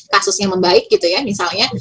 kasusnya membaik gitu ya misalnya